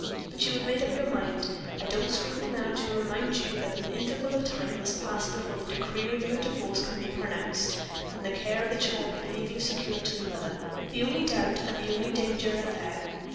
But you have made up your mind. I don't scruple now to remind you that an interval of time must pass before the decree for your Divorce can be pronounced, and the care of the child be legally secured to the mother. The only doubt and the only danger are there.